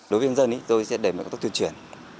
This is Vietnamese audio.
đối với dân tôi sẽ đẩy một tốc tuyên truyền